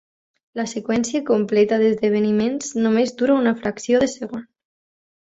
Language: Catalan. La seqüència completa d'esdeveniments només dura una fracció de segon.